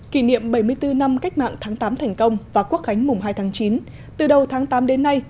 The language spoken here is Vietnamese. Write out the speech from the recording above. kỷ niệm bảy mươi bốn năm cách mạng tháng tám thành công và quốc khánh mùng hai tháng chín từ đầu tháng tám đến nay